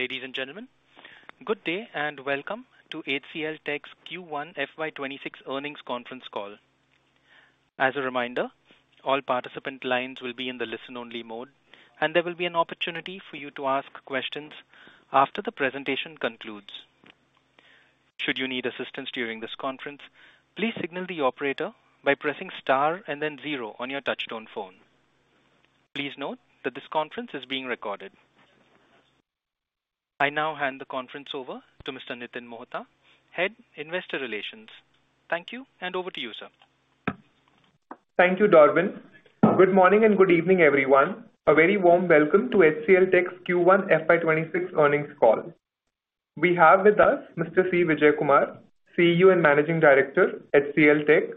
Ladies and gentlemen, good day and welcome to HCLTech's Q1 FY2026 earnings conference call. As a reminder, all participant lines will be in the listen-only mode, and there will be an opportunity for you to ask questions after the presentation concludes. Should you need assistance during this conference, please signal the operator by pressing star and then zero on your touch-tone phone. Please note that this conference is being recorded. I now hand the conference over to Mr. Nitin Mohta, Head of Investor Relations. Thank you, and over to you, sir. Thank you, Darwin. Good morning and good evening, everyone. A very warm welcome to HCLTech's Q1 FY26 earnings call. We have with us Mr. C. Vijayakumar, CEO and Managing Director, HCLTech;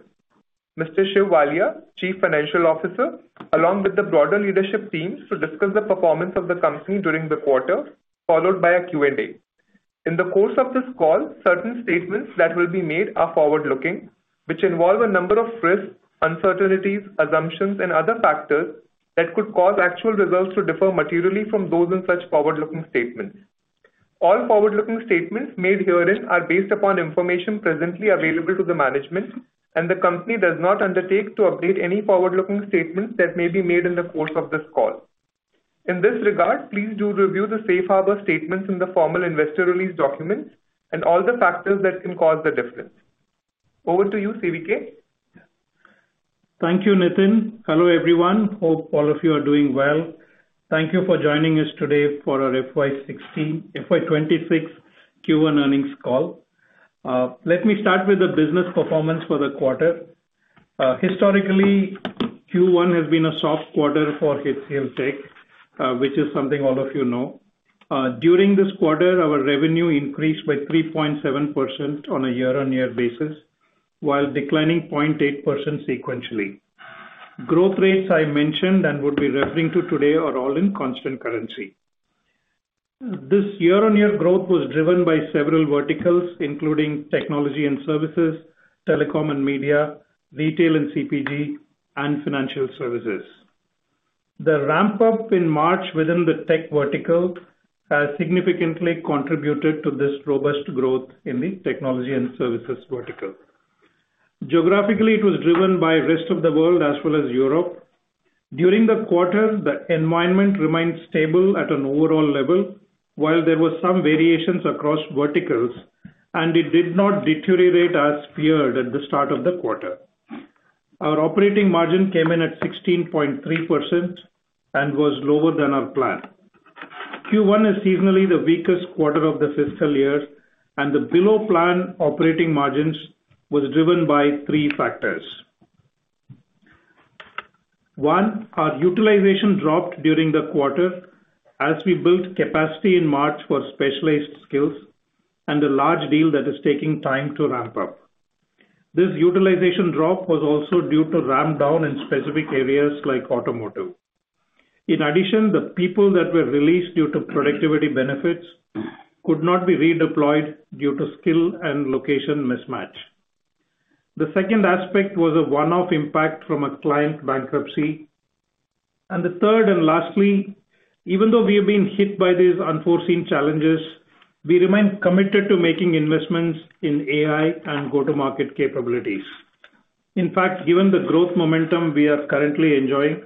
Mr. Shiv Walia, Chief Financial Officer, along with the broader leadership teams to discuss the performance of the company during the quarter, followed by a Q&A. In the course of this call, certain statements that will be made are forward-looking, which involve a number of risks, uncertainties, assumptions, and other factors that could cause actual results to differ materially from those in such forward-looking statements. All forward-looking statements made herein are based upon information presently available to the management, and the company does not undertake to update any forward-looking statements that may be made in the course of this call. In this regard, please do review the safe harbor statements in the formal investor release documents and all the factors that can cause the difference. Over to you, CVK. Thank you, Nitin. Hello, everyone. Hope all of you are doing well. Thank you for joining us today for our FY2026 Q1 earnings call. Let me start with the business performance for the quarter. Historically, Q1 has been a soft quarter for HCLTech, which is something all of you know. During this quarter, our revenue increased by 3.7% on a year-on-year basis, while declining 0.8% sequentially. Growth rates I mentioned and would be referring to today are all in constant currency. This year-on-year growth was driven by several verticals, including technology and services, telecom and media, retail and CPG, and financial services. The ramp-up in March within the tech vertical has significantly contributed to this robust growth in the technology and services vertical. Geographically, it was driven by the rest of the world as well as Europe. During the quarter, the environment remained stable at an overall level, while there were some variations across verticals, and it did not deteriorate as feared at the start of the quarter. Our operating margin came in at 16.3%. It was lower than our plan. Q1 is seasonally the weakest quarter of the fiscal year, and the below-plan operating margins were driven by three factors. One, our utilization dropped during the quarter as we built capacity in March for specialized skills and a large deal that is taking time to ramp up. This utilization drop was also due to ramp-down in specific areas like automotive. In addition, the people that were released due to productivity benefits could not be redeployed due to skill and location mismatch. The second aspect was a one-off impact from a client bankruptcy. Third and lastly, even though we have been hit by these unforeseen challenges, we remain committed to making investments in AI and go-to-market capabilities. In fact, given the growth momentum we are currently enjoying,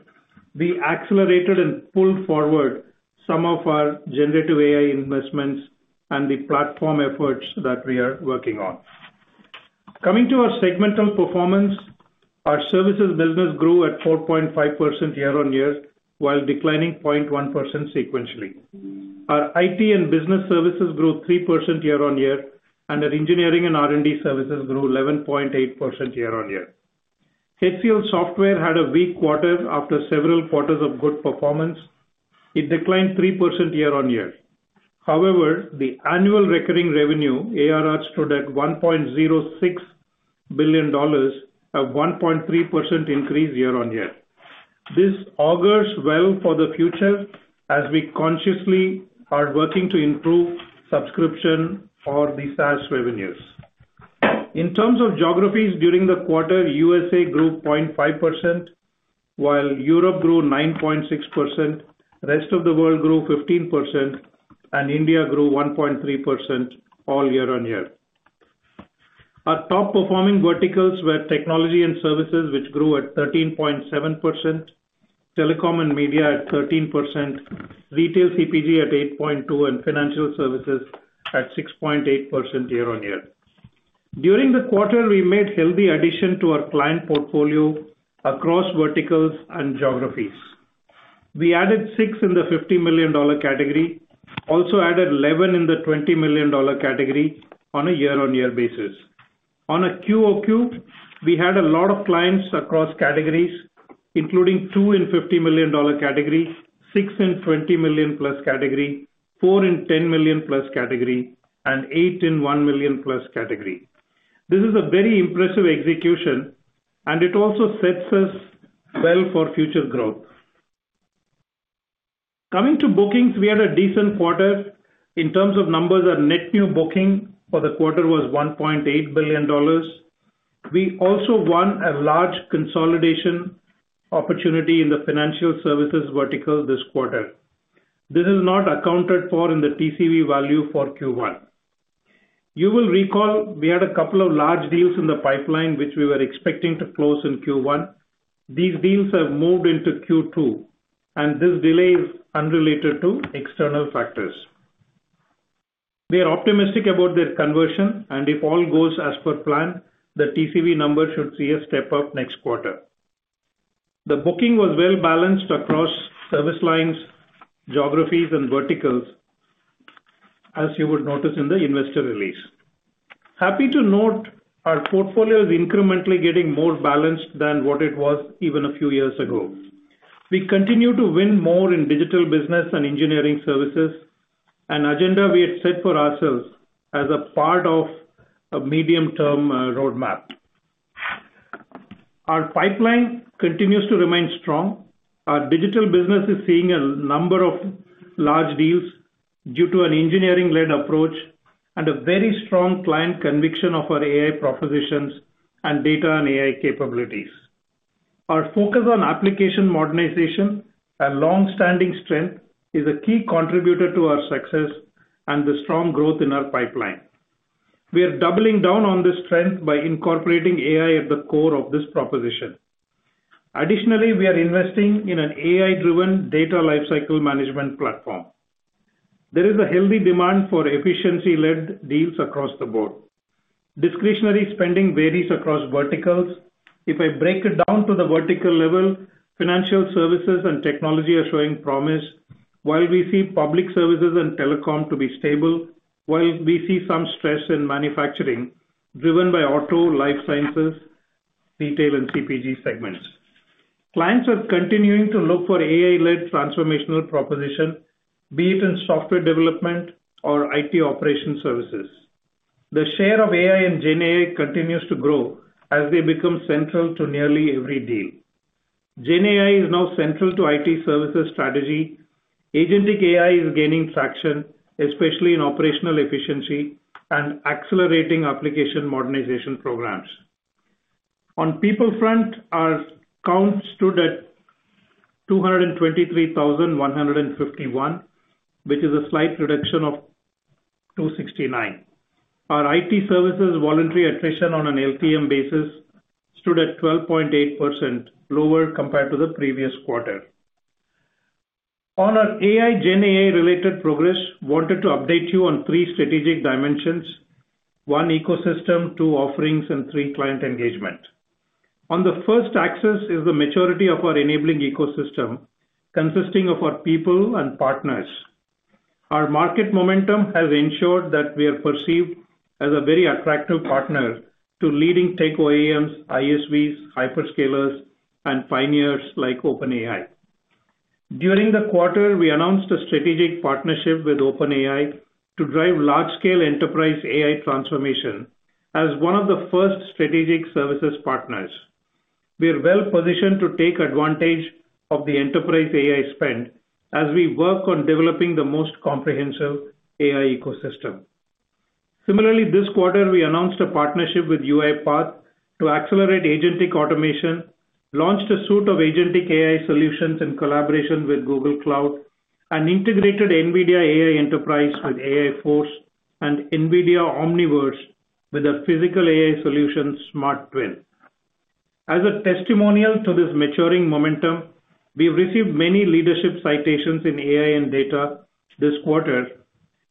we accelerated and pulled forward some of our generative AI investments and the platform efforts that we are working on. Coming to our segmental performance, our services business grew at 4.5% year-on-year, while declining 0.1% sequentially. Our IT and Business Services grew 3% year-on-year, and our Engineering and R&D Services grew 11.8% year-on-year. HCL Software had a weak quarter after several quarters of good performance. It declined 3% year-on-year. However, the Annual Recurring Revenue, ARR, stood at $1.06 billion, a 1.3% increase year-on-year. This augurs well for the future as we consciously are working to improve subscription or the SaaS revenues. In terms of geographies, during the quarter, U.S.A. grew 0.5%. While Europe grew 9.6%, the rest of the world grew 15%, and India grew 1.3% all year-on-year. Our top-performing verticals were technology and services, which grew at 13.7%. Telecom and media at 13%, retail CPG at 8.2%, and financial services at 6.8% year-on-year. During the quarter, we made healthy additions to our client portfolio across verticals and geographies. We added six in the $50 million category, also added 11 in the $20 million category on a year-on-year basis. On a QoQ, we had a lot of clients across categories, including two in the $50 million category, six in the $20 million+ category, four in the $10 million+ category, and eight in the $1 million+ category. This is a very impressive execution, and it also sets us well for future growth. Coming to bookings, we had a decent quarter. In terms of numbers, our net new booking for the quarter was $1.8 billion. We also won a large consolidation opportunity in the financial services vertical this quarter. This is not accounted for in the TCV value for Q1. You will recall we had a couple of large deals in the pipeline which we were expecting to close in Q1. These deals have moved into Q2, and this delay is unrelated to external factors. We are optimistic about their conversion, and if all goes as per plan, the TCV number should see a step-up next quarter. The booking was well-balanced across service lines, geographies, and verticals. As you would notice in the investor release. Happy to note our portfolio is incrementally getting more balanced than what it was even a few years ago. We continue to win more in digital business and engineering services, an agenda we had set for ourselves as a part of a medium-term roadmap. Our pipeline continues to remain strong. Our digital business is seeing a number of large deals due to an engineering-led approach and a very strong client conviction of our AI propositions and data and AI capabilities. Our focus on application modernization, a long-standing strength, is a key contributor to our success and the strong growth in our pipeline. We are doubling down on this strength by incorporating AI at the core of this proposition. Additionally, we are investing in an AI-driven data lifecycle management platform. There is a healthy demand for efficiency-led deals across the board. Discretionary spending varies across verticals. If I break it down to the vertical level, financial services and technology are showing promise, while we see public services and telecom to be stable, while we see some stress in manufacturing driven by auto, life sciences, retail, and CPG segments. Clients are continuing to look for AI-led transformational propositions, be it in software development or IT operation services. The share of AI and GenAI continues to grow as they become central to nearly every deal. GenAI is now central to IT services strategy. Agentic AI is gaining traction, especially in operational efficiency and accelerating application modernization programs. On people front, our count stood at 223,151, which is a slight reduction of 269. Our IT services voluntary attrition on an LTM basis stood at 12.8%, lower compared to the previous quarter. On our AI GenAI-related progress, I wanted to update you on three strategic dimensions: one, ecosystem; two, offerings; and three, client engagement. On the first axis is the maturity of our enabling ecosystem, consisting of our people and partners. Our market momentum has ensured that we are perceived as a very attractive partner to leading tech OEMs, ISVs, hyperscalers, and pioneers like OpenAI. During the quarter, we announced a strategic partnership with OpenAI to drive large-scale enterprise AI transformation as one of the first strategic services partners. We are well-positioned to take advantage of the enterprise AI spend as we work on developing the most comprehensive AI ecosystem. Similarly, this quarter, we announced a partnership with UiPath to accelerate Agentic automation, launched a suite of Agentic AI solutions in collaboration with Google Cloud, and integrated NVIDIA AI Enterprise with AI Force and NVIDIA Omniverse with a physical AI solution, SmartTwin. As a testimonial to this maturing momentum, we've received many leadership citations in AI and data this quarter,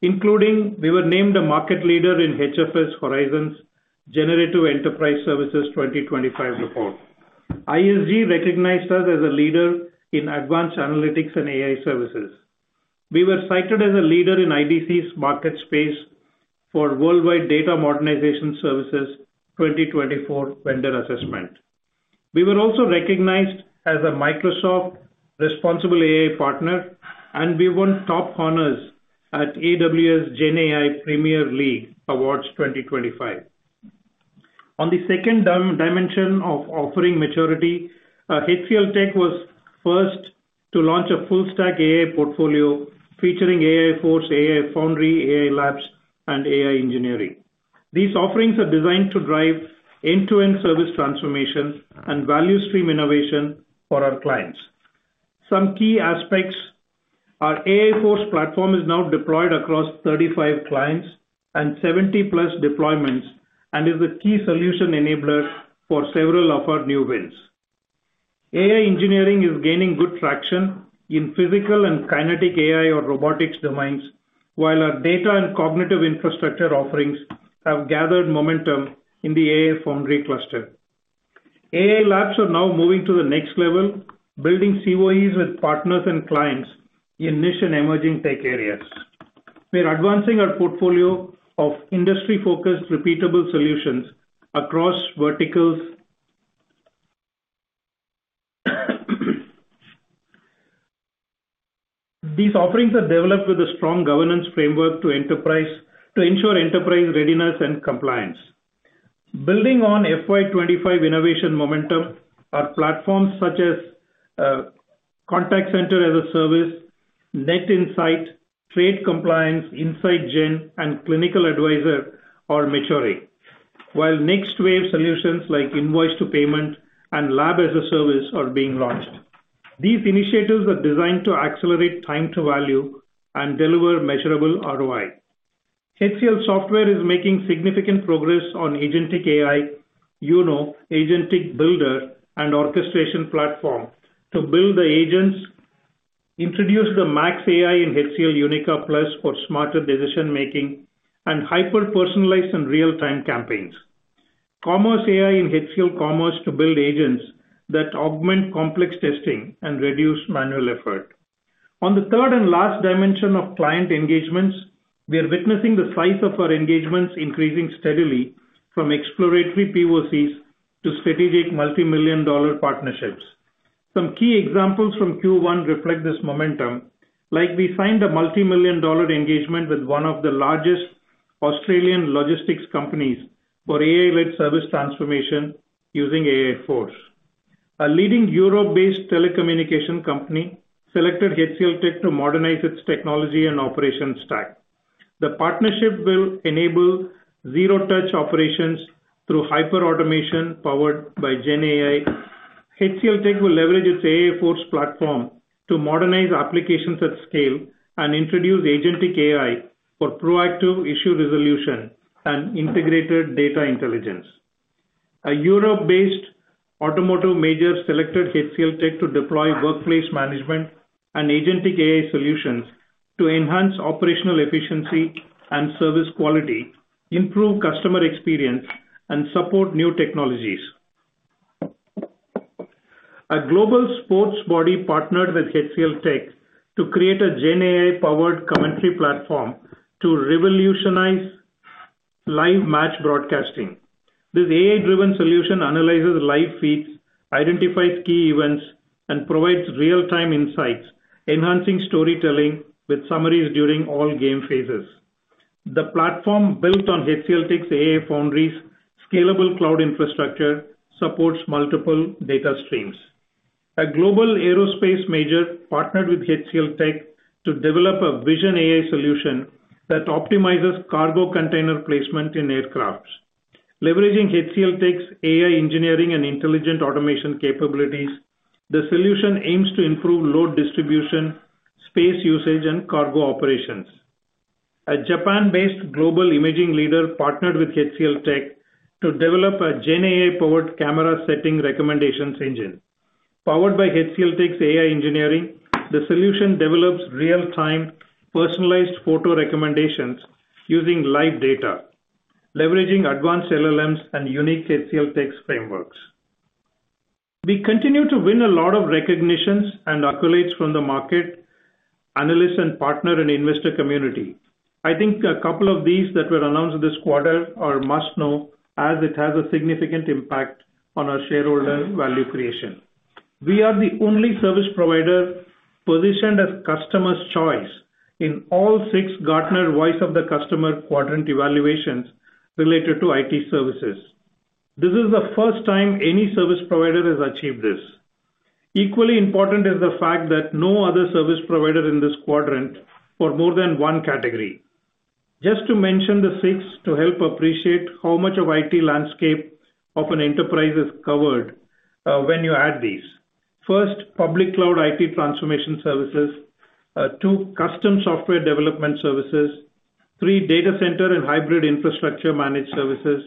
including we were named a market leader in HFS Horizon's Generative Enterprise Services 2025 report. ISG recognized us as a leader in advanced analytics and AI services. We were cited as a leader in IDC's MarketScape for Worldwide Data Modernization Services 2024 vendor assessment. We were also recognized as a Microsoft responsible AI partner, and we won top honors at AWS GenAI Premier League Awards 2025. On the second dimension of offering maturity, HCLTech was first to launch a full-stack AI portfolio featuring AI Force, AI Foundry, AI Labs, and AI Engineering. These offerings are designed to drive end-to-end service transformation and value stream innovation for our clients. Some key aspects. Our AI Force platform is now deployed across 35 clients and 70+ deployments and is a key solution enabler for several of our new wins. AI Engineering is gaining good traction in physical and kinetic AI or robotics domains, while our data and cognitive infrastructure offerings have gathered momentum in the AI Foundry cluster. AI Labs are now moving to the next level, building COEs with partners and clients in niche and emerging tech areas. We are advancing our portfolio of industry-focused repeatable solutions across verticals. These offerings are developed with a strong governance framework to ensure enterprise readiness and compliance. Building on FY2025 innovation momentum, our platforms such as Contact Center as a Service, Net Insight, Trade Compliance, Insight Gen, and Clinical Advisor are maturing, while NextWave solutions like Invoice to Payment and Lab as a Service are being launched. These initiatives are designed to accelerate time to value and deliver measurable ROI. HCL Software is making significant progress on Agentic AI, UnO Agentic Builder, and Orchestration Platform to build the agents, introduce the Max AI in HCL Unica+ for smarter decision-making, and hyper-personalized and real-time campaigns. Commerce AI in HCL Commerce to build agents that augment complex testing and reduce manual effort. On the third and last dimension of client engagements, we are witnessing the size of our engagements increasing steadily from exploratory POCs to strategic multi-million dollar partnerships. Some key examples from Q1 reflect this momentum, like we signed a multi-million dollar engagement with one of the largest Australian logistics companies for AI-led service transformation using AI Force. A leading Europe-based telecommunication company selected HCLTech to modernize its technology and operations stack. The partnership will enable zero-touch operations through hyperautomation powered by GenAI. HCLTech will leverage its AI Force platform to modernize applications at scale and introduce Agentic AI for proactive issue resolution and integrated data intelligence. A Europe-based automotive major selected HCLTech to deploy workplace management and Agentic AI solutions to enhance operational efficiency and service quality, improve customer experience, and support new technologies. A global sports body partnered with HCLTech to create a GenAI-powered commentary platform to revolutionize live match broadcasting. This AI-driven solution analyzes live feeds, identifies key events, and provides real-time insights, enhancing storytelling with summaries during all game phases. The platform built on HCLTech's AI Foundry's scalable cloud infrastructure supports multiple data streams. A global aerospace major partnered with HCLTech to develop a vision AI solution that optimizes cargo container placement in aircraft. Leveraging HCLTech's AI engineering and intelligent automation capabilities, the solution aims to improve load distribution, space usage, and cargo operations. A Japan-based global imaging leader partnered with HCLTech to develop a GenAI-powered camera setting recommendations engine. Powered by HCLTech's AI engineering, the solution develops real-time personalized photo recommendations using live data, leveraging advanced LLMs and unique HCLTech frameworks. We continue to win a lot of recognitions and accolades from the market. Analysts, partners, and investor community. I think a couple of these that were announced this quarter are must-know, as it has a significant impact on our shareholder value creation. We are the only service provider positioned as customer's choice in all six Gartner Voice of the Customer quadrant evaluations related to IT services. This is the first time any service provider has achieved this. Equally important is the fact that no other service provider is in this quadrant for more than one category. Just to mention the six to help appreciate how much of the IT landscape of an enterprise is covered when you add these: first, public cloud IT transformation services; two, custom software development services; three, data center and hybrid infrastructure managed services;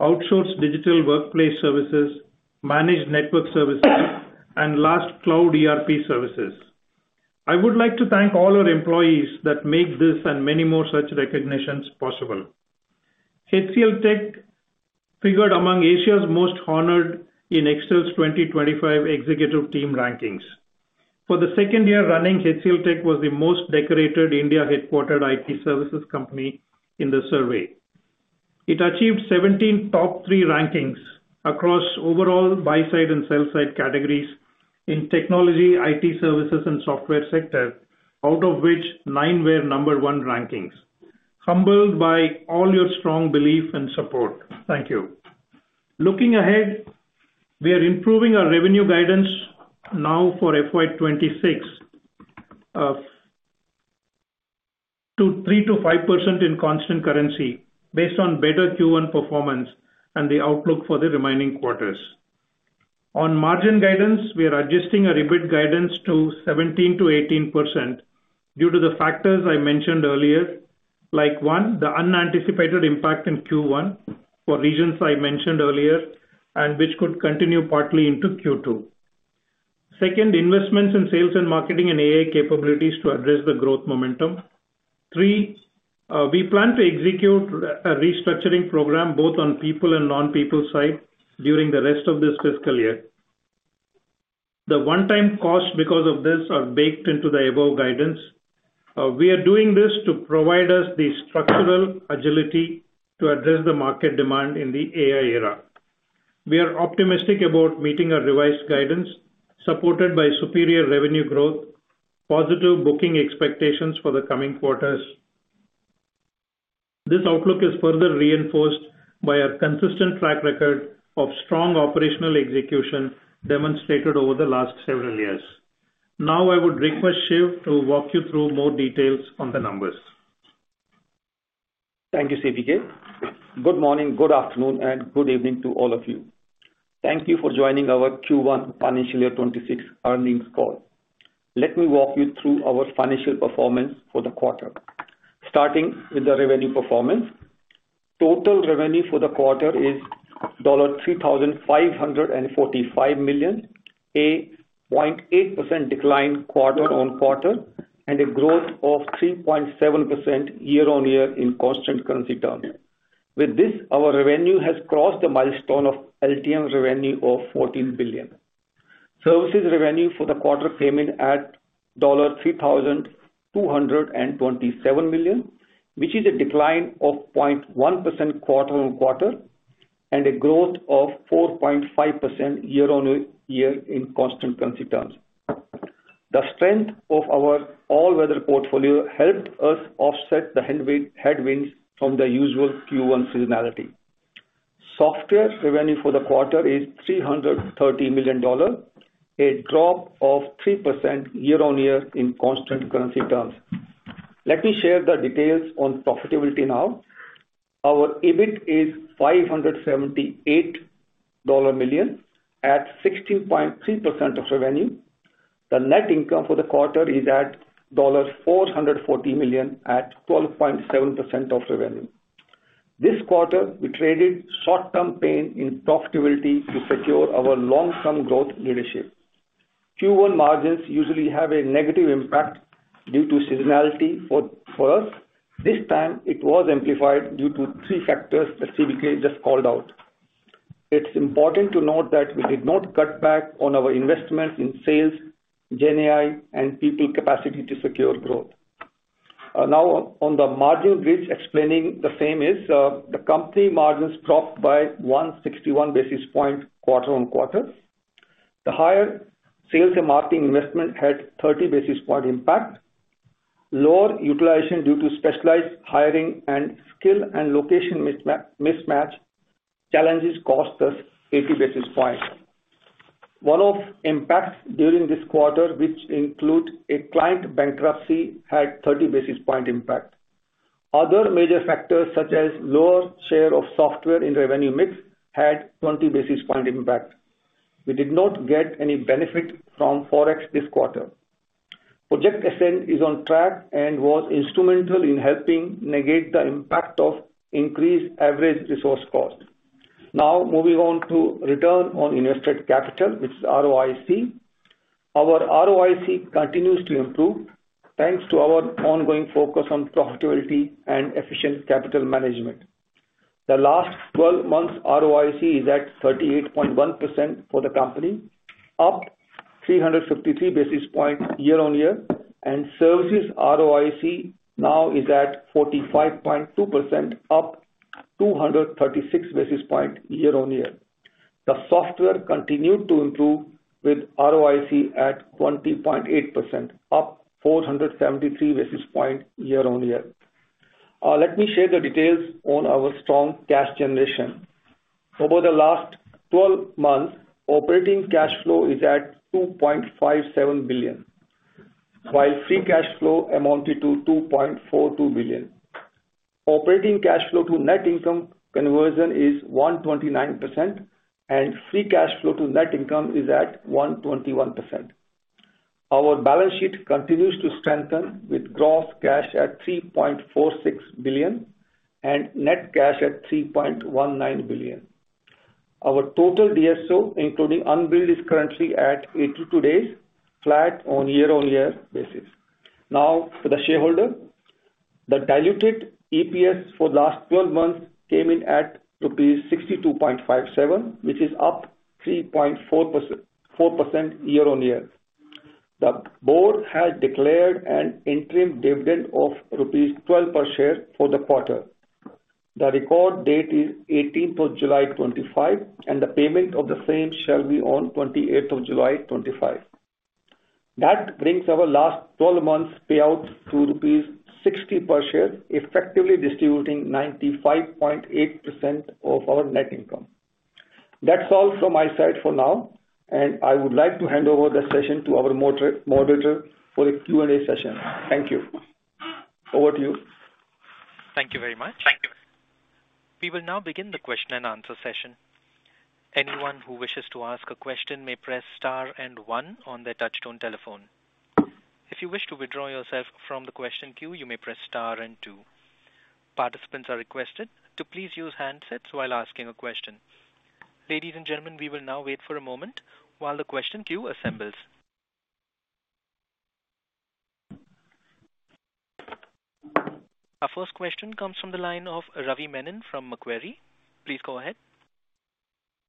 outsourced digital workplace services; managed network services; and last, cloud ERP services. I would like to thank all our employees that make this and many more such recognitions possible. HCLTech figured among Asia's most honored in Extel's 2025 executive team rankings. For the second year running, HCLTech was the most decorated India-headquartered IT services company in the survey. It achieved 17 top three rankings across overall buy-side and sell-side categories in technology, IT services, and software sectors, out of which nine were number one rankings. Humbled by all your strong belief and support, thank you. Looking ahead, we are improving our revenue guidance now for FY2026 to 3%-5% in constant currency based on better Q1 performance and the outlook for the remaining quarters. On margin guidance, we are adjusting our EBIT guidance to 17%-18% due to the factors I mentioned earlier, like one, the unanticipated impact in Q1 for regions I mentioned earlier, and which could continue partly into Q2. Second, investments in sales and marketing and AI capabilities to address the growth momentum. Three, we plan to execute a restructuring program both on people and non-people side during the rest of this fiscal year. The one-time costs because of this are baked into the above guidance. We are doing this to provide us the structural agility to address the market demand in the AI era. We are optimistic about meeting our revised guidance, supported by superior revenue growth, and positive booking expectations for the coming quarters. This outlook is further reinforced by our consistent track record of strong operational execution demonstrated over the last several years. Now, I would request Shiv to walk you through more details on the numbers. Thank you, CVK. Good morning, good afternoon, and good evening to all of you. Thank you for joining our Q1 Financial Year 2026 earnings call. Let me walk you through our financial performance for the quarter, starting with the revenue performance. Total revenue for the quarter is $3,545 million, a 0.8% decline quarter-on-quarter, and a growth of 3.7% year-on-year in constant currency terms. With this, our revenue has crossed the milestone of LTM revenue of $14 billion. Services revenue for the quarter came in at $3,227 million, which is a decline of 0.1% quarter-on-quarter and a growth of 4.5% year-on-year in constant currency terms. The strength of our all-weather portfolio helped us offset the headwinds from the usual Q1 seasonality. Software revenue for the quarter is $330 million, a drop of 3% year-on-year in constant currency terms. Let me share the details on profitability now. Our EBIT is $578 million at 16.3% of revenue. The net income for the quarter is at $440 million at 12.7% of revenue. This quarter, we traded short-term pain in profitability to secure our long-term growth leadership. Q1 margins usually have a negative impact due to seasonality for us. This time, it was amplified due to three factors that CVK just called out. It's important to note that we did not cut back on our investments in sales, GenAI, and people capacity to secure growth. Now, on the margin bridge, explaining the same is the company margins dropped by 161 basis points quarter-on-quarter. The higher sales and marketing investment had 30 basis points impact. Lower utilization due to specialized hiring and skill and location mismatch challenges cost us 80 basis points. One of the impacts during this quarter, which includes a client bankruptcy, had 30 basis points impact. Other major factors, such as lower share of software in revenue mix, had 20 basis points impact. We did not get any benefit from Forex this quarter. Project Ascend is on track and was instrumental in helping negate the impact of increased average resource cost. Now, moving on to return on invested capital, which is ROIC. Our ROIC continues to improve thanks to our ongoing focus on profitability and efficient capital management. The last 12 months ROIC is at 38.1% for the company, up 353 basis points year-on-year, and services ROIC now is at 45.2%, up 236 basis points year-on-year. The software continued to improve with ROIC at 20.8%, up 473 basis points year-on-year. Let me share the details on our strong cash generation. Over the last 12 months, operating cash flow is at $2.57 billion. While free cash flow amounted to $2.42 billion. Operating cash flow to net income conversion is 129%, and free cash flow to net income is at 121%. Our balance sheet continues to strengthen with gross cash at $3.46 billion and net cash at $3.19 billion. Our total DSO, including unbilled, is currently at 82 days, flat on year-on-year basis. Now, for the shareholder, the diluted EPS for the last 12 months came in at rupees 62.57, which is up 3.4% year-on-year. The board has declared an interim dividend of rupees 12 per share for the quarter. The record date is 18th of July 2025, and the payment of the same shall be on 28th of July 2025. That brings our last 12 months payout to rupees 60 per share, effectively distributing 95.8% of our net income. That's all from my side for now, and I would like to hand over the session to our moderator for a Q&A session. Thank you. Over to you. Thank you very much. Thank you. We will now begin the question and answer session. Anyone who wishes to ask a question may press star and one on their touchstone telephone. If you wish to withdraw yourself from the question queue, you may press star and two. Participants are requested to please use handsets while asking a question. Ladies and gentlemen, we will now wait for a moment while the question queue assembles. Our first question comes from the line of Ravi Menon from Macquarie. Please go ahead.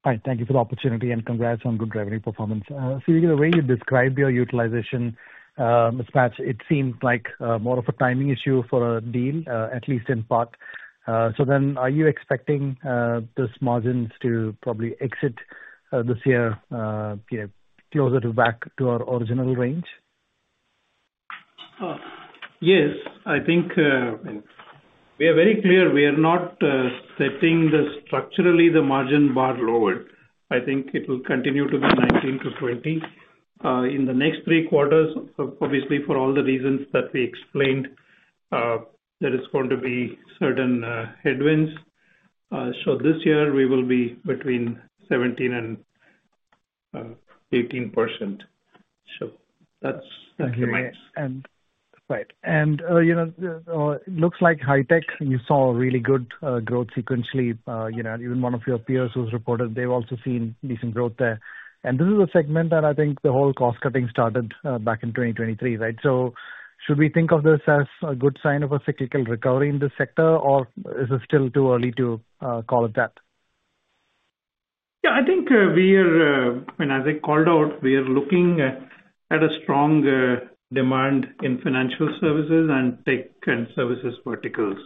Hi, thank you for the opportunity and congrats on good revenue performance. Shiv, the way you described your utilization. Mismatch, it seemed like more of a timing issue for a deal, at least in part. Are you expecting those margins to probably exit this year closer to back to our original range? Yes, I think. We are very clear we are not setting structurally the margin bar lower. I think it will continue to be 19-20% in the next three quarters, obviously for all the reasons that we explained. There is going to be certain headwinds. This year, we will be between 17%-18%. That is the max. Right. It looks like high tech, you saw really good growth sequentially. Even one of your peers reported they have also seen decent growth there. This is a segment that I think the whole cost cutting started back in 2023, right? Should we think of this as a good sign of a cyclical recovery in this sector, or is it still too early to call it that? Yeah, I think we are, I mean, as I called out, we are looking at a strong demand in financial services and tech and services verticals.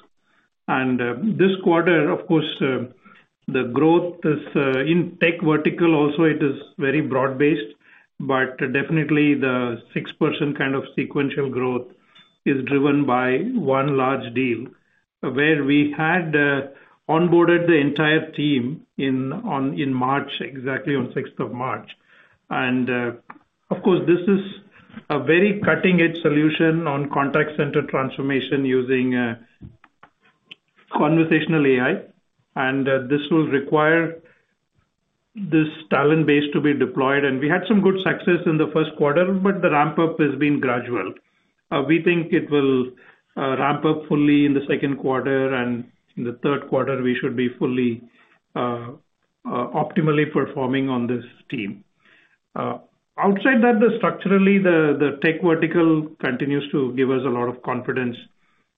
This quarter, of course, the growth is in tech vertical. Also, it is very broad-based, but definitely the 6% kind of sequential growth is driven by one large deal where we had onboarded the entire team in March, exactly on 6th of March. Of course, this is a very cutting-edge solution on contact center transformation using conversational AI. This will require this talent base to be deployed. We had some good success in the first quarter, but the ramp-up has been gradual. We think it will. Ramp up fully in the second quarter, and in the third quarter, we should be fully, optimally performing on this team. Outside that, structurally, the tech vertical continues to give us a lot of confidence.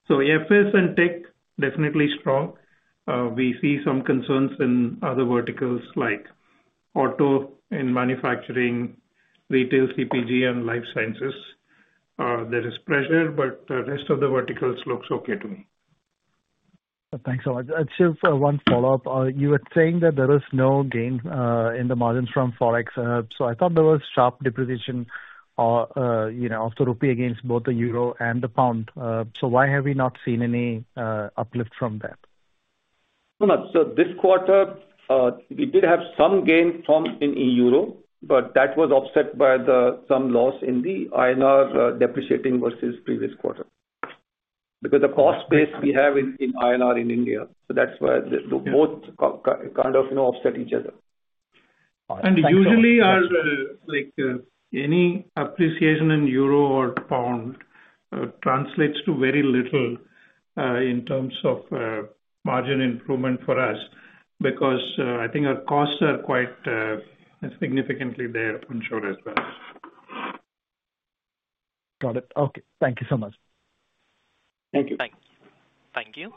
So FS and tech definitely strong. We see some concerns in other verticals like auto and manufacturing, retail, CPG, and life sciences. There is pressure, but the rest of the verticals looks okay to me. Thanks so much. Shiv, one follow-up. You were saying that there was no gain in the margins from Forex. I thought there was sharp depreciation of the rupee against both the euro and the pound. Why have we not seen any uplift from that? This quarter, we did have some gain from in euro, but that was offset by some loss in the INR depreciating versus previous quarter. Because the cost base we have in INR in India. That's why both kind of offset each other. Usually, any appreciation in euro or pound translates to very little in terms of margin improvement for us because I think our costs are quite significantly there onshore as well. Got it. Okay. Thank you so much. Thank you. Thank you.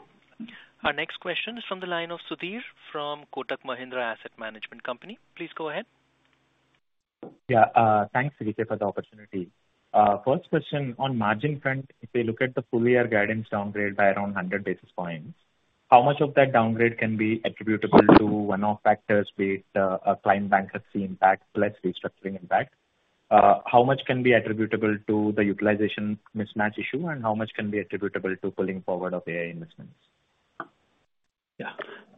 Our next question is from the line of Sudheer from Kotak Mahindra Asset Management Company. Please go ahead. Yeah. Thanks, CVK, for the opportunity. First question on margin front, if we look at the full year guidance downgrade by around 100 basis points, how much of that downgrade can be attributable to one-off factors, be it a client bankruptcy impact plus restructuring impact? How much can be attributable to the utilization mismatch issue, and how much can be attributable to pulling forward of AI investments? Yeah.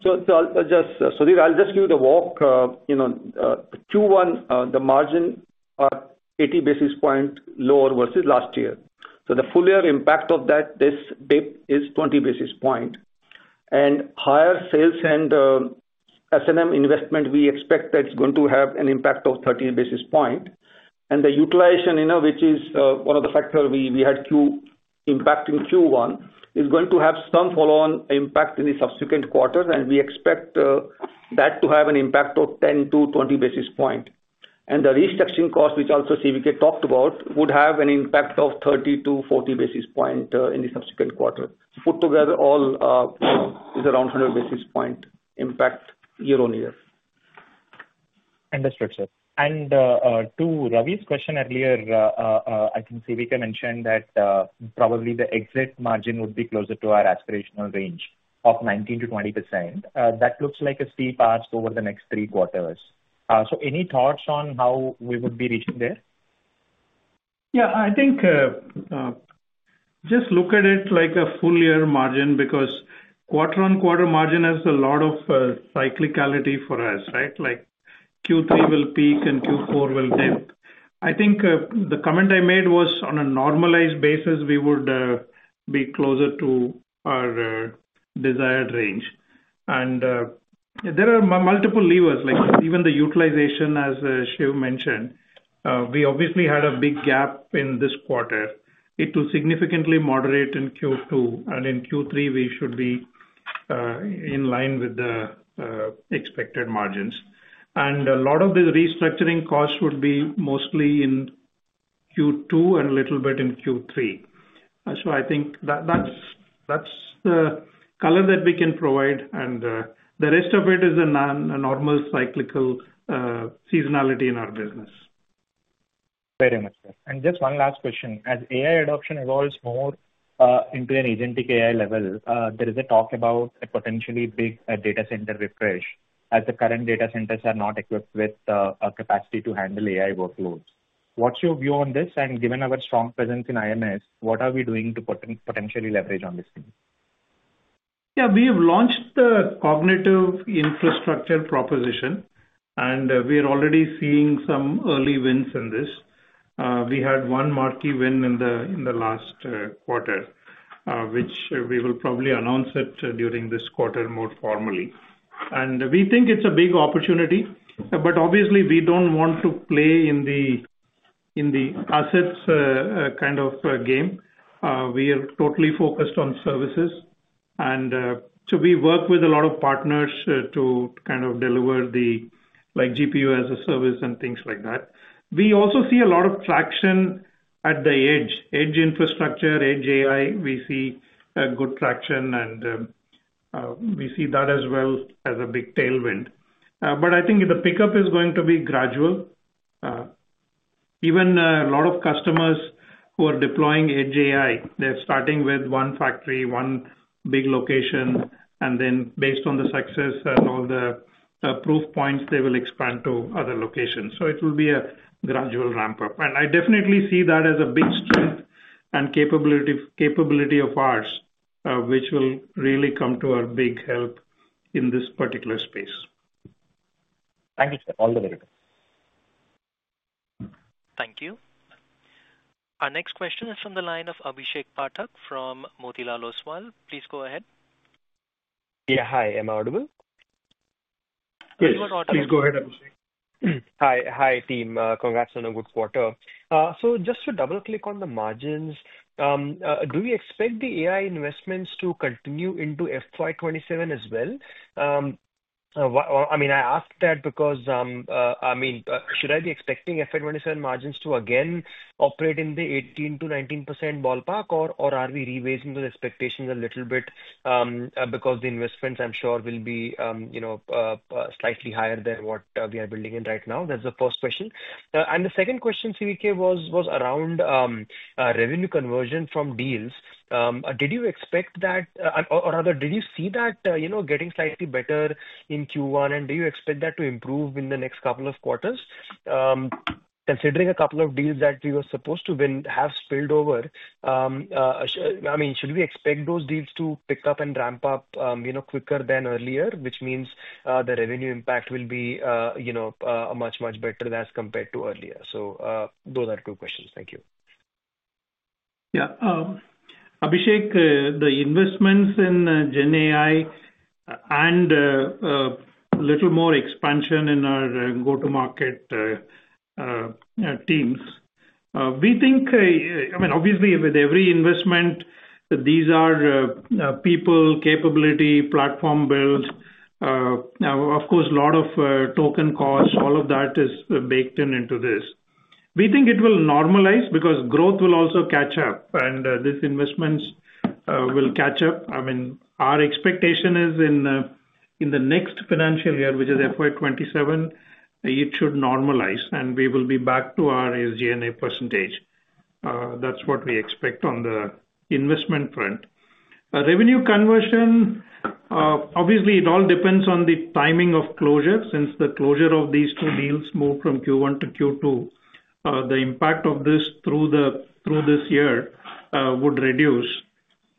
I'll just give you the walk. Q1, the margin are 80 basis points lower versus last year. The full year impact of that, this dip is 20 basis points. Higher sales and S&M investment, we expect that it's going to have an impact of 30 basis points. The utilization, which is one of the factors we had impact in Q1, is going to have some follow-on impact in the subsequent quarters. We expect that to have an impact of 10 basis points-20 basis points. The restructuring cost, which also CVK talked about, would have an impact of 30 basis points-40 basis points in the subsequent quarter. Put together, all is around 100 basis points impact year-on-year. Understood, Shiv. To Ravi's question earlier, I think CVK mentioned that probably the exit margin would be closer to our aspirational range of 19%-20%. That looks like a steep arc over the next three quarters. Any thoughts on how we would be reaching there? Yeah, I think just look at it like a full year margin because quarter-on-quarter margin has a lot of cyclicality for us, right? Q3 will peak and Q4 will dip. I think the comment I made was on a normalized basis, we would be closer to our desired range. There are multiple levers, like even the utilization, as Shiv mentioned. We obviously had a big gap in this quarter. It will significantly moderate in Q2. In Q3, we should be in line with the expected margins. A lot of the restructuring costs would be mostly in. Q2 and a little bit in Q3. I think that's the color that we can provide. The rest of it is a normal cyclical seasonality in our business. Very much, sir. Just one last question. As AI adoption evolves more into an Agentic AI level, there is a talk about a potentially big data center refresh as the current data centers are not equipped with the capacity to handle AI workloads. What's your view on this? Given our strong presence in IMS, what are we doing to potentially leverage on this thing? Yeah, we have launched the cognitive infrastructure proposition, and we are already seeing some early wins in this. We had one marquee win in the last quarter, which we will probably announce during this quarter more formally. We think it's a big opportunity, but obviously, we don't want to play in the. Assets kind of game. We are totally focused on services. We work with a lot of partners to kind of deliver the GPU as a service and things like that. We also see a lot of traction at the edge. Edge infrastructure, Edge AI, we see good traction. We see that as well as a big tailwind. I think the pickup is going to be gradual. Even a lot of customers who are deploying Edge AI, they're starting with one factory, one big location, and then based on the success and all the proof points, they will expand to other locations. It will be a gradual ramp-up. I definitely see that as a big strength and capability of ours, which will really come to our big help in this particular space. Thank you, sir. All the very best. Thank you. Our next question is from the line of Abhishek Pathak from Motilal Oswal. Please go ahead. Yeah, hi. Am I audible? Yes. Please go ahead, Abhishek. Hi, team. Congrats on a good quarter. Just to double-click on the margins. Do we expect the AI investments to continue into FY2027 as well? I mean, I ask that because, I mean, should I be expecting FY2027 margins to again operate in the 18%-19% ballpark, or are we revising those expectations a little bit? Because the investments, I'm sure, will be slightly higher than what we are building in right now. That's the first question. The second question, CVK, was around revenue conversion from deals. Did you expect that, or rather, did you see that getting slightly better in Q1, and do you expect that to improve in the next couple of quarters? Considering a couple of deals that we were supposed to have spilled over? I mean, should we expect those deals to pick up and ramp up quicker than earlier, which means the revenue impact will be much, much better as compared to earlier? Those are two questions. Thank you. Yeah. Abhishek, the investments in GenAI and a little more expansion in our go-to-market teams. We think, I mean, obviously, with every investment, these are people, capability, platform build. Of course, a lot of token costs, all of that is baked into this. We think it will normalize because growth will also catch up, and these investments will catch up. I mean, our expectation is in the next financial year, which is FY2027, it should normalize, and we will be back to our SG&A percentage. That is what we expect on the investment front. Revenue conversion. Obviously, it all depends on the timing of closure. Since the closure of these two deals moved from Q1 to Q2, the impact of this through this year would reduce.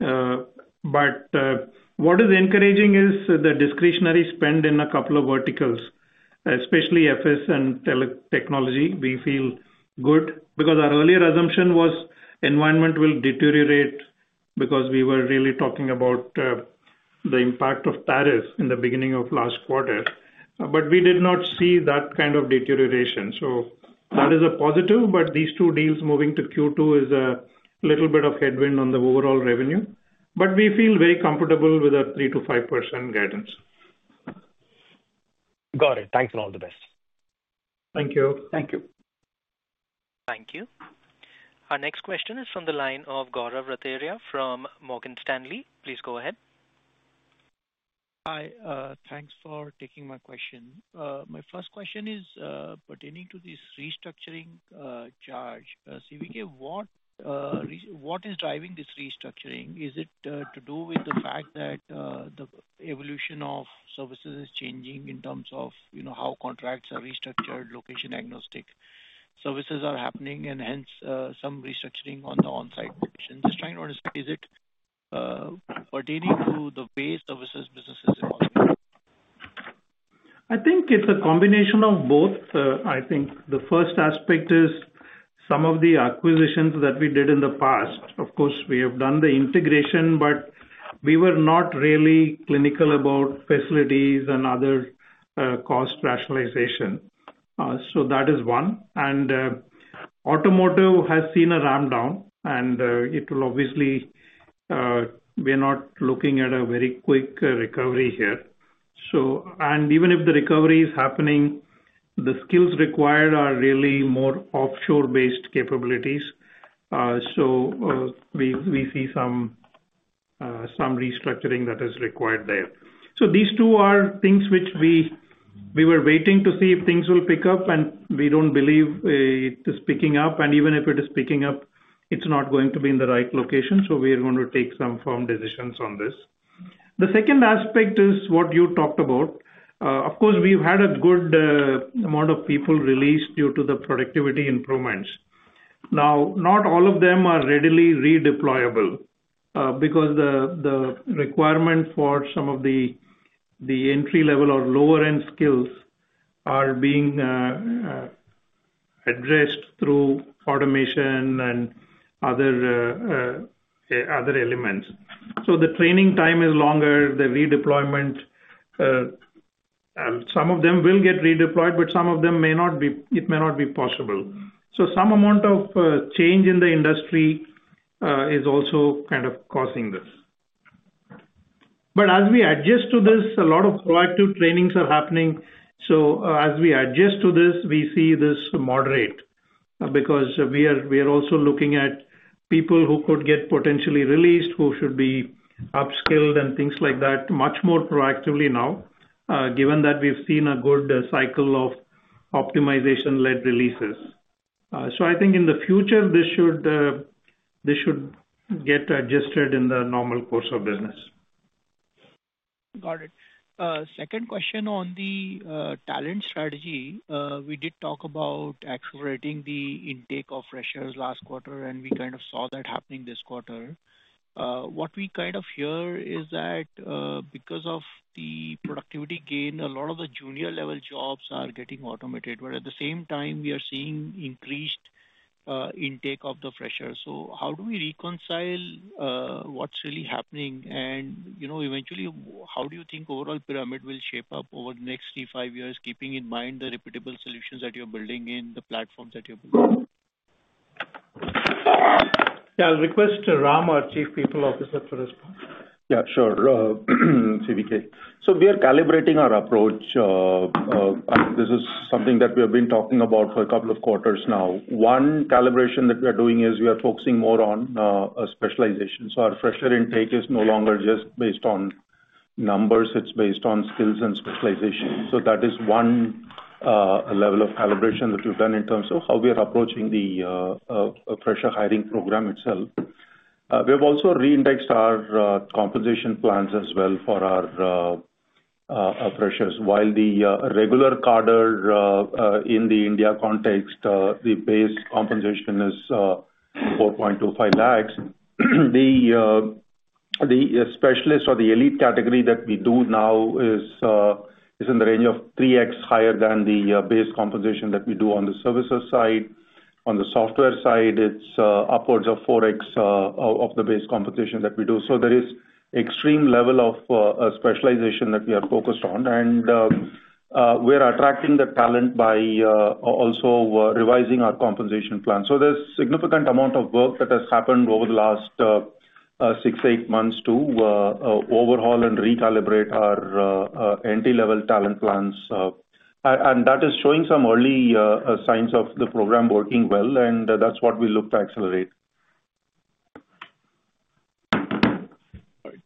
What is encouraging is the discretionary spend in a couple of verticals, especially FS and technology. We feel good because our earlier assumption was environment will deteriorate because we were really talking about the impact of tariffs in the beginning of last quarter. We did not see that kind of deterioration. That is a positive. These two deals moving to Q2 is a little bit of headwind on the overall revenue. We feel very comfortable with a 3%-5% guidance. Got it. Thanks and all the best. Thank you. Thank you. Thank you. Our next question is from the line of Gaurav Rateria from Morgan Stanley. Please go ahead. Hi. Thanks for taking my question. My first question is pertaining to this restructuring charge. CVK, what is driving this restructuring? Is it to do with the fact that the evolution of services is changing in terms of how contracts are restructured, location-agnostic services are happening, and hence some restructuring on the on-site position? Just trying to understand, is it pertaining to the way services businesses evolve? I think it's a combination of both. I think the first aspect is some of the acquisitions that we did in the past. Of course, we have done the integration, but we were not really clinical about facilities and other cost rationalization. That is one. Automotive has seen a ramp-down, and it will obviously not see a very quick recovery here. Even if the recovery is happening, the skills required are really more offshore-based capabilities. We see some restructuring that is required there. These two are things which we were waiting to see if things will pick up, and we do not believe it is picking up. Even if it is picking up, it is not going to be in the right location. We are going to take some firm decisions on this. The second aspect is what you talked about. Of course, we have had a good amount of people released due to the productivity improvements. Not all of them are readily redeployable because the requirement for some of the entry-level or lower-end skills are being addressed through automation and other elements. The training time is longer. The redeployment, some of them will get redeployed, but some of them may not be, it may not be possible. Some amount of change in the industry is also kind of causing this. As we adjust to this, a lot of proactive trainings are happening. As we adjust to this, we see this moderate because we are also looking at people who could get potentially released, who should be upskilled and things like that much more proactively now, given that we've seen a good cycle of optimization-led releases. I think in the future, this should get adjusted in the normal course of business. Got it. Second question on the talent strategy. We did talk about accelerating the intake of freshers last quarter, and we kind of saw that happening this quarter. What we kind of hear is that because of the productivity gain, a lot of the junior-level jobs are getting automated, but at the same time, we are seeing increased intake of the freshers. How do we reconcile what's really happening? Eventually, how do you think the overall pyramid will shape up over the next three to five years, keeping in mind the reputable solutions that you're building and the platforms that you're building? Yeah, I'll request Rama, our Chief People Officer, to respond. Yeah, sure. CVK. We are calibrating our approach. This is something that we have been talking about for a couple of quarters now. One calibration that we are doing is we are focusing more on specialization. Our fresher intake is no longer just based on numbers. It's based on skills and specialization. That is one level of calibration that we've done in terms of how we are approaching the fresher hiring program itself. We have also reindexed our compensation plans as well for our freshers. While the regular cadre in the India context, the base compensation is 4.25 lakh, the Specialist or the elite category that we do now is in the range of 3x higher than the base compensation that we do on the services side. On the software side, it is upwards of 4x of the base compensation that we do. There is an extreme level of specialization that we are focused on. We are attracting the talent by also revising our compensation plan. There is a significant amount of work that has happened over the last six to eight months to overhaul and recalibrate our entry-level talent plans. That is showing some early signs of the program working well, and that is what we look to accelerate.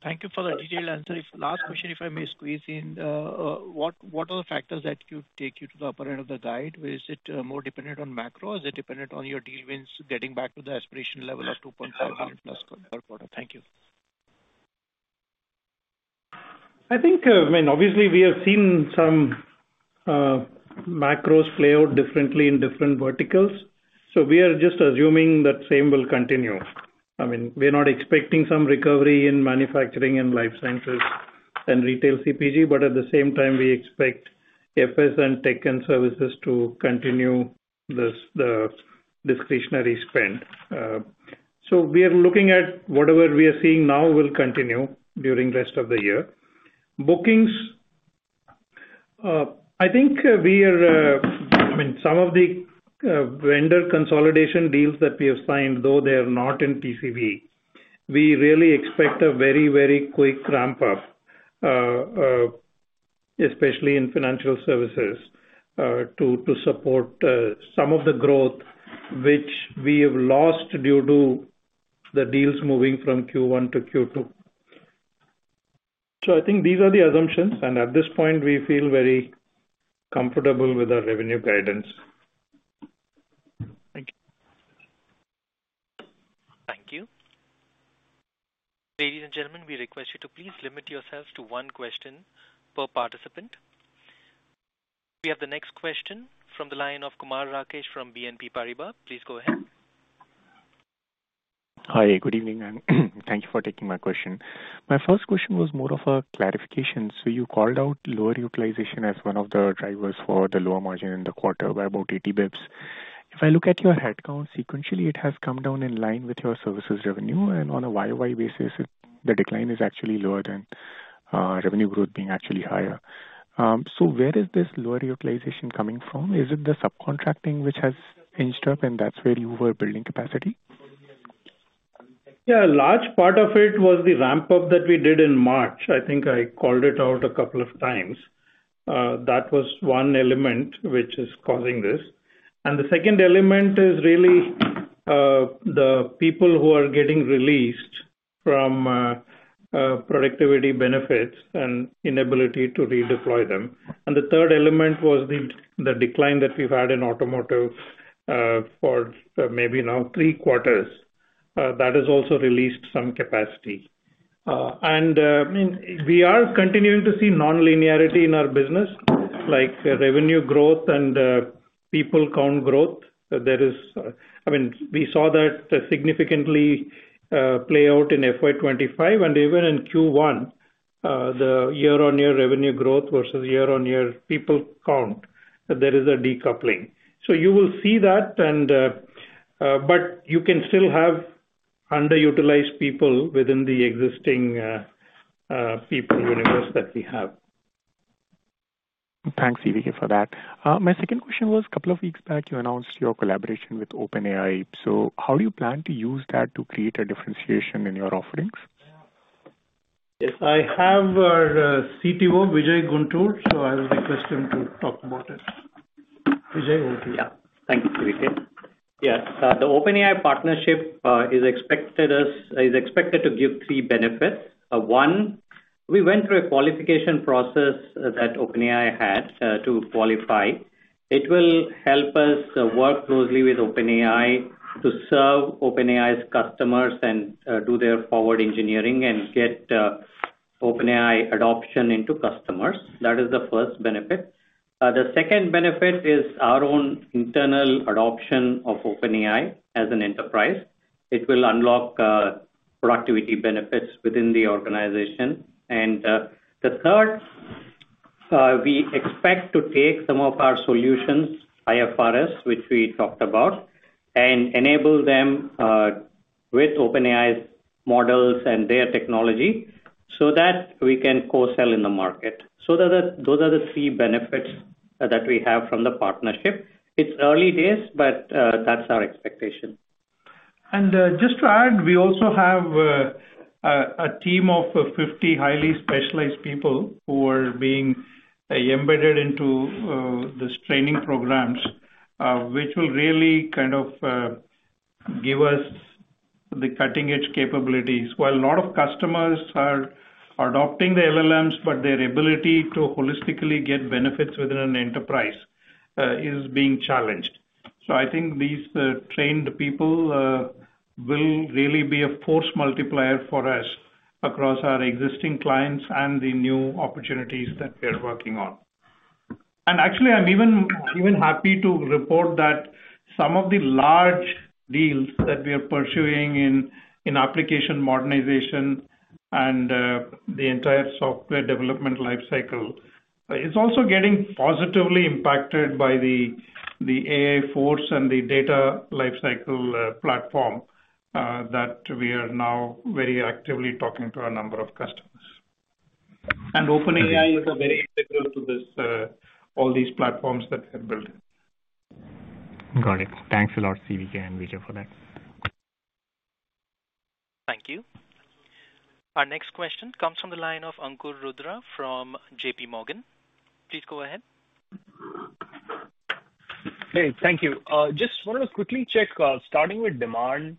Thank you for the detailed answer. Last question, if I may squeeze in. What are the factors that take you to the upper end of the guide? Is it more dependent on macro? Is it dependent on your deal wins getting back to the aspiration level of $2.5 million+ per quarter? Thank you. I mean, obviously, we have seen some macros play out differently in different verticals. We are just assuming that the same will continue. I mean, we're not expecting some recovery in manufacturing and life sciences and retail CPG, but at the same time, we expect FS and tech and services to continue the discretionary spend. We are looking at whatever we are seeing now will continue during the rest of the year. Bookings. I think we are, I mean, some of the vendor consolidation deals that we have signed, though they are not in PCB, we really expect a very, very quick ramp-up, especially in financial services, to support some of the growth which we have lost due to the deals moving from Q1 to Q2. I think these are the assumptions. At this point, we feel very comfortable with our revenue guidance. Thank you. Thank you. Ladies and gentlemen, we request you to please limit yourselves to one question per participant. We have the next question from the line of Kumar Rakesh from BNP Paribas. Please go ahead. Hi. Good evening, and thank you for taking my question. My first question was more of a clarification. You called out lower utilization as one of the drivers for the lower margin in the quarter by about 80 bps. If I look at your headcount sequentially, it has come down in line with your services revenue. On a year-on-year basis, the decline is actually lower than revenue growth being actually higher. Where is this lower utilization coming from? Is it the subcontracting which has inched up, and that's where you were building capacity? Yeah. A large part of it was the ramp-up that we did in March. I think I called it out a couple of times. That was one element which is causing this. The second element is really the people who are getting released from productivity benefits and inability to redeploy them. The third element was the decline that we've had in automotive for maybe now three quarters. That has also released some capacity. We are continuing to see non-linearity in our business, like revenue growth and people count growth. I mean, we saw that significantly play out in FY2025, and even in Q1. The year-on-year revenue growth versus year-on-year people count, there is a decoupling. You will see that. You can still have underutilized people within the existing. People universe that we have. Thanks, CVK, for that. My second question was, a couple of weeks back, you announced your collaboration with OpenAI. How do you plan to use that to create a differentiation in your offerings? Yes. I have our CTO, Vijay Guntur. I will request him to talk about it. Vijay, over to you. Yeah. Thanks, CVK. Yeah. The OpenAI partnership is expected to give three benefits. One, we went through a qualification process that OpenAI had to qualify. It will help us work closely with OpenAI to serve OpenAI's customers and do their forward engineering and get OpenAI adoption into customers. That is the first benefit. The second benefit is our own internal adoption of OpenAI as an enterprise. It will unlock productivity benefits within the organization. The third, we expect to take some of our solutions, IFRS, which we talked about. Enable them with OpenAI's models and their technology so that we can co-sell in the market. Those are the three benefits that we have from the partnership. It is early days, but that is our expectation. Just to add, we also have a team of 50 highly specialized people who are being embedded into these training programs, which will really kind of give us the cutting-edge capabilities. While a lot of customers are adopting the LLMs, their ability to holistically get benefits within an enterprise is being challenged. I think these trained people will really be a force multiplier for us across our existing clients and the new opportunities that we are working on. Actually, I am even happy to report that some of the large deals that we are pursuing in application modernization and the entire software development lifecycle are also getting positively impacted by the. AI Force and the data lifecycle platform that we are now very actively talking to a number of customers. OpenAI is very integral to all these platforms that we have built. Got it. Thanks a lot, CVK and Vijay, for that. Thank you. Our next question comes from the line of Ankur Rudra from JPMorgan. Please go ahead. Hey, thank you. Just wanted to quickly check, starting with demand.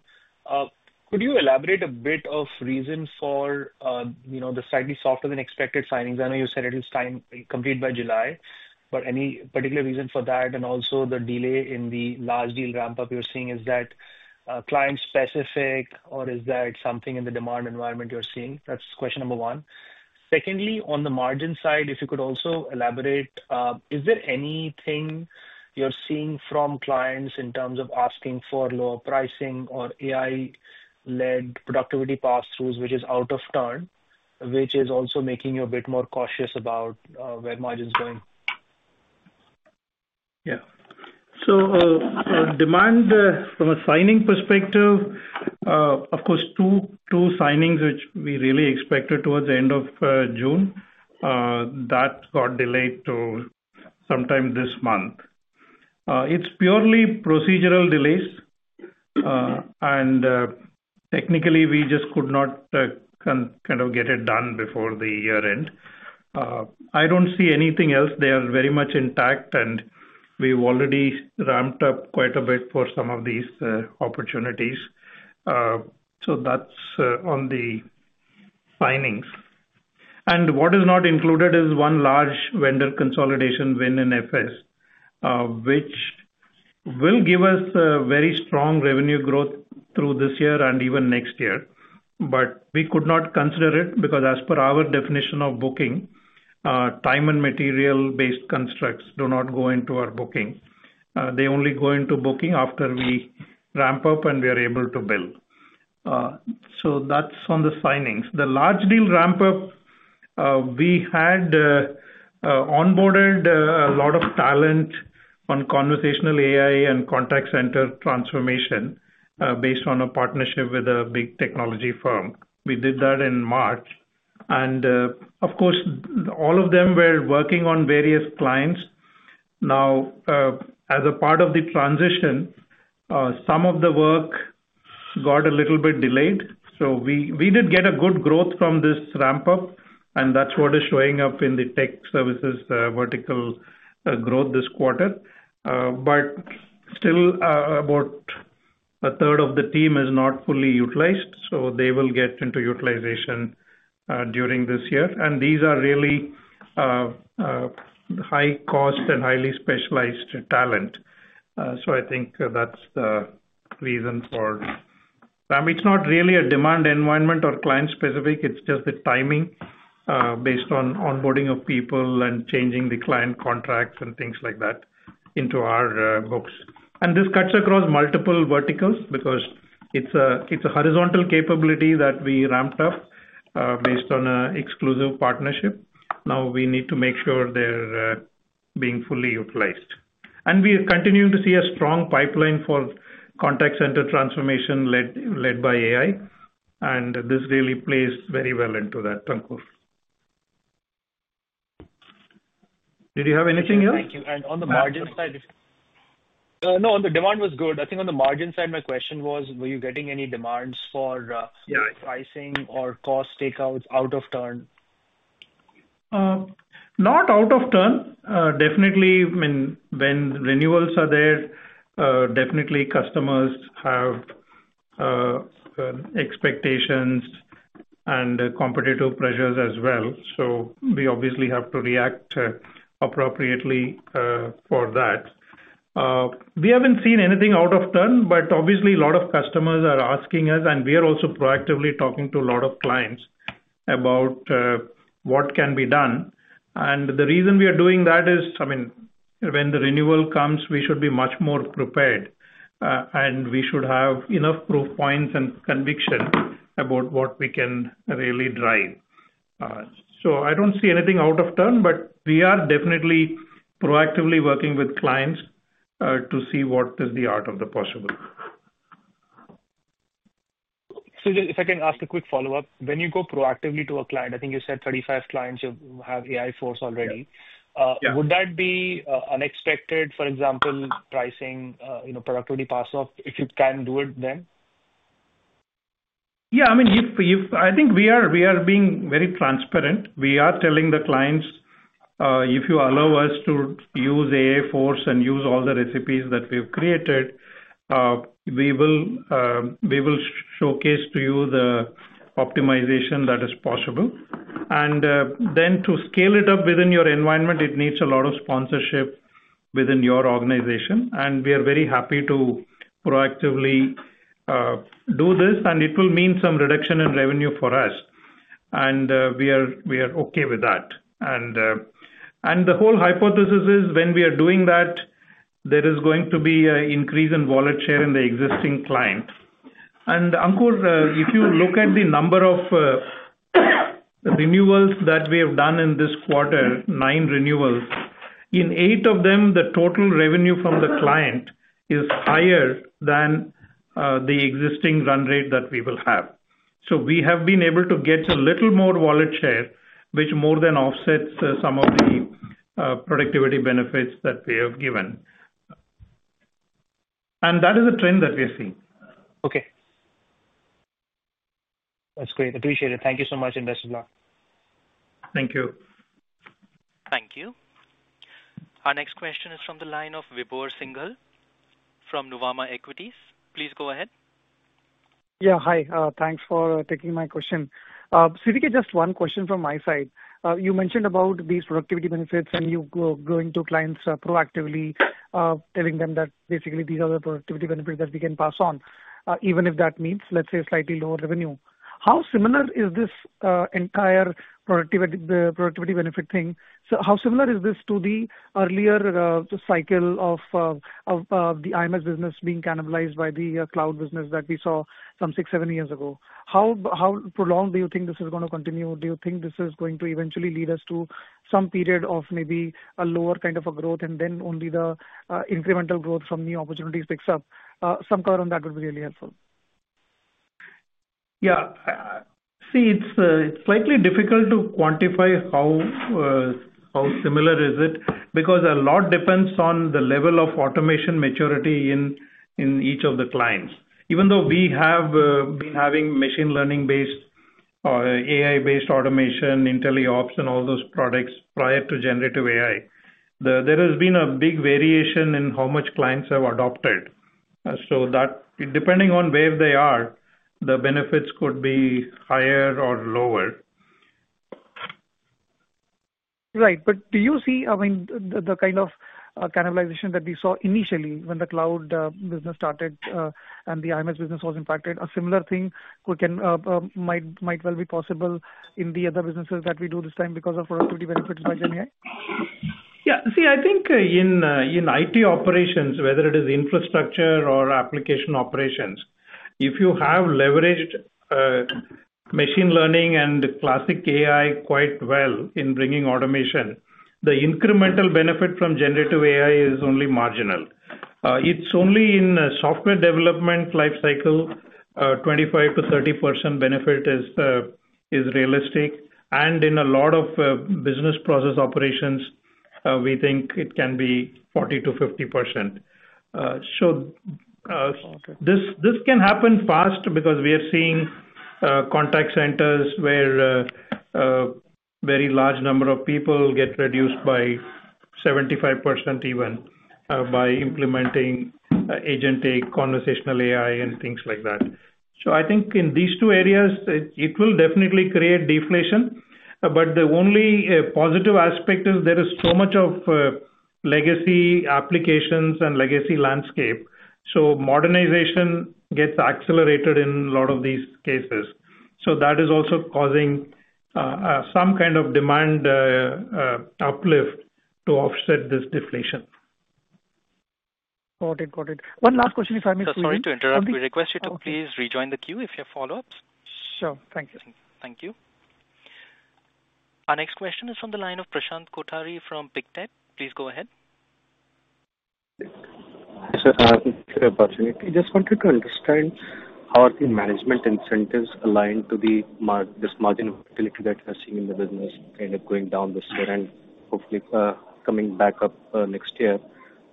Could you elaborate a bit of the reason for the slightly softer-than-expected signings? I know you said it is time complete by July, but any particular reason for that? Also, the delay in the large deal ramp-up you're seeing, is that client-specific, or is that something in the demand environment you're seeing? That's question number one. Secondly, on the margin side, if you could also elaborate, is there anything you're seeing from clients in terms of asking for lower pricing or AI-led productivity pass-throughs, which is out of turn, which is also making you a bit more cautious about where margin is going? Yeah. Demand from a signing perspective. Of course, two signings which we really expected towards the end of June that got delayed to sometime this month. It's purely procedural delays. Technically, we just could not kind of get it done before the year-end. I don't see anything else. They are very much intact, and we've already ramped up quite a bit for some of these opportunities. That's on the signings. What is not included is one large vendor consolidation win in FS, which will give us very strong revenue growth through this year and even next year. We could not consider it because, as per our definition of booking, time and material-based constructs do not go into our booking. They only go into booking after we ramp-up and we are able to build. That is on the signings. The large deal ramp-up, we had onboarded a lot of talent on conversational AI and contact center transformation based on a partnership with a big technology firm. We did that in March. Of course, all of them were working on various clients. Now, as a part of the transition, some of the work got a little bit delayed. We did get good growth from this ramp-up, and that is what is showing up in the tech services vertical growth this quarter. Still, about a third of the team is not fully utilized, so they will get into utilization during this year. These are really high-cost and highly specialized talent. I think that's the reason for them. It's not really a demand environment or client-specific. It's just the timing, based on onboarding of people and changing the client contracts and things like that into our books. This cuts across multiple verticals because it's a horizontal capability that we ramped up based on an exclusive partnership. Now we need to make sure they're being fully utilized. We are continuing to see a strong pipeline for contact center transformation led by AI. This really plays very well into that, Ankur. Did you have anything else? Thank you. On the margin side, no, the demand was good. I think on the margin side, my question was, were you getting any demands for pricing or cost takeouts out of turn? Not out of turn. Definitely, I mean, when renewals are there, definitely customers have expectations and competitive pressures as well. We obviously have to react appropriately for that. We haven't seen anything out of turn, but obviously, a lot of customers are asking us, and we are also proactively talking to a lot of clients about what can be done. The reason we are doing that is, I mean, when the renewal comes, we should be much more prepared, and we should have enough proof points and conviction about what we can really drive. I don't see anything out of turn, but we are definitely proactively working with clients to see what is the art of the possible. If I can ask a quick follow-up, when you go proactively to a client, I think you said 35 clients have AI Force already. Would that be unexpected, for example, pricing, productivity pass-up if you can do it then? Yeah. I mean, I think we are being very transparent. We are telling the clients, if you allow us to use AI Force and use all the recipes that we've created, we will showcase to you the optimization that is possible. To scale it up within your environment, it needs a lot of sponsorship within your organization. We are very happy to proactively do this, and it will mean some reduction in revenue for us. We are okay with that. The whole hypothesis is, when we are doing that, there is going to be an increase in wallet share in the existing client. And Ankur, if you look at the number of. Renewals that we have done in this quarter, nine renewals, in eight of them, the total revenue from the client is higher than the existing run rate that we will have. We have been able to get a little more wallet share, which more than offsets some of the productivity benefits that we have given. That is a trend that we are seeing. Okay. That's great. Appreciate it. Thank you so much, and best of luck. Thank you. Thank you. Our next question is from the line of Vibhor Singhal from Nuvama Equities. Please go ahead. Yeah. Hi. Thanks for taking my question. CVK, just one question from my side. You mentioned about these productivity benefits, and you go into clients proactively, telling them that basically these are the productivity benefits that we can pass on, even if that means, let's say, slightly lower revenue. How similar is this entire productivity benefit thing? How similar is this to the earlier cycle of the IMS business being cannibalized by the cloud business that we saw some six, seven years ago? How prolonged do you think this is going to continue? Do you think this is going to eventually lead us to some period of maybe a lower kind of a growth, and then only the incremental growth from new opportunities picks up? Some color on that would be really helpful. Yeah. See, it's slightly difficult to quantify how similar it is because a lot depends on the level of automation maturity in each of the clients. Even though we have been having machine learning-based, AI-based automation, IntelliOps, and all those products prior to generative AI, there has been a big variation in how much clients have adopted. Depending on where they are, the benefits could be higher or lower. Right. But do you see, I mean, the kind of cannibalization that we saw initially when the cloud business started and the IMS business was impacted, a similar thing might well be possible in the other businesses that we do this time because of productivity benefits by GenAI? Yeah. See, I think in IT operations, whether it is infrastructure or application operations, if you have leveraged machine learning and classic AI quite well in bringing automation, the incremental benefit from generative AI is only marginal. It is only in a software development lifecycle. 25%-30% benefit is realistic. And in a lot of business process operations, we think it can be 40%-50%. This can happen fast because we are seeing contact centers where a very large number of people get reduced by 75% even. By implementing Agentic conversational AI and things like that. I think in these two areas, it will definitely create deflation. The only positive aspect is there is so much of legacy applications and legacy landscape. Modernization gets accelerated in a lot of these cases. That is also causing some kind of demand uplift to offset this deflation. Got it. Got it. One last question, if I may. Sorry to interrupt. We request you to please rejoin the queue if you have follow-ups. Sure. Thank you. Thank you. Our next question is from the line of Prashant Kothari from Pictet. Please go ahead. Hi, sir. I'm here in person. I just wanted to understand how are the management incentives aligned to this margin of utility that you're seeing in the business kind of going down this year and hopefully coming back up next year?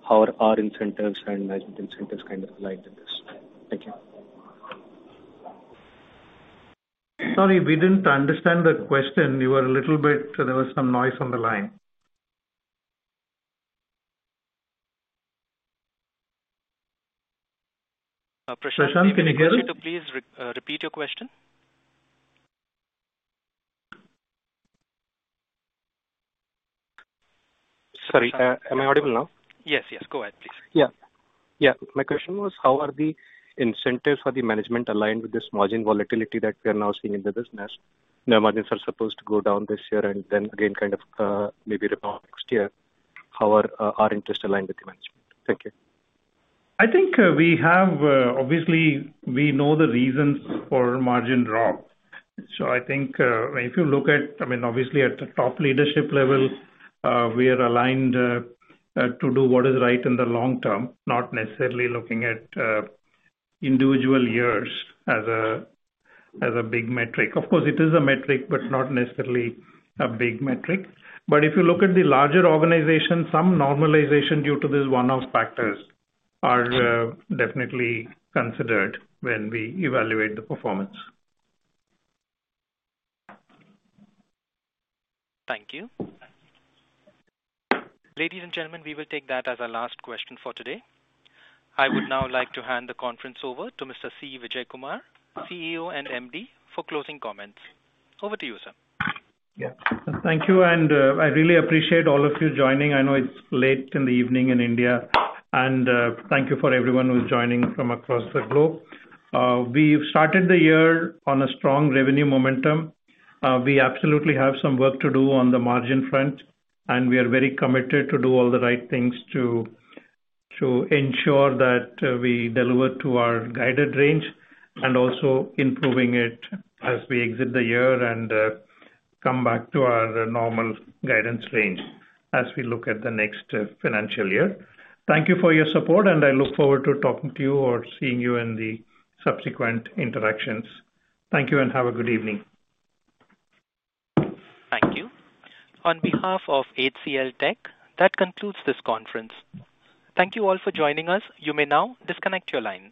How are our incentives and management incentives kind of aligned to this? Thank you. Sorry, we did not understand the question. You were a little bit, there was some noise on the line. Prashant, can you hear us? Prashant, would you please repeat your question? Sorry. Am I audible now? Yes, yes. Go ahead, please. Yeah. Yeah. My question was, how are the incentives for the management aligned with this margin volatility that we are now seeing in the business? The margins are supposed to go down this year and then again kind of maybe roll out next year. How are our interests aligned with the management? Thank you. I think we have, obviously, we know the reasons for margin drop. I think if you look at, I mean, obviously at the top leadership level, we are aligned. To do what is right in the long term, not necessarily looking at individual years as a big metric. Of course, it is a metric, but not necessarily a big metric. If you look at the larger organization, some normalization due to these one-off factors are definitely considered when we evaluate the performance. Thank you. Ladies and gentlemen, we will take that as our last question for today. I would now like to hand the conference over to Mr. C. Vijayakumar, CEO and MD, for closing comments. Over to you, sir. Yeah. Thank you. I really appreciate all of you joining. I know it's late in the evening in India. Thank you for everyone who's joining from across the globe. We've started the year on a strong revenue momentum. We absolutely have some work to do on the margin front, and we are very committed to do all the right things to ensure that we deliver to our guided range and also improving it as we exit the year and come back to our normal guidance range as we look at the next financial year. Thank you for your support, and I look forward to talking to you or seeing you in the subsequent interactions. Thank you, and have a good evening. Thank you. On behalf of HCLTech, that concludes this conference. Thank you all for joining us. You may now disconnect your lines.